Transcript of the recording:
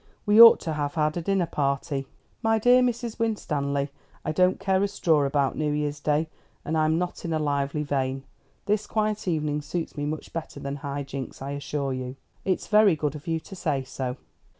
We ought to have had a dinner party." "My dear Mrs. Winstanley, I don't care a straw about New Year's Day, and I am not in a lively vein. This quiet evening suits me much better than high jinks, I assure you." "It's very good of you to say so."